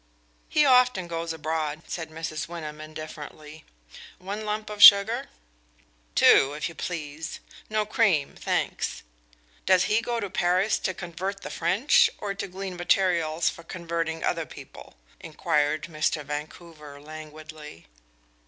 "He often goes abroad," said Mrs. Wyndham indifferently. "One lump of sugar?" "Two, if you please no cream thanks. Does he go to Paris to convert the French, or to glean materials for converting other people?" inquired Mr. Vancouver languidly.